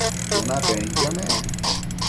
cunapenquio nec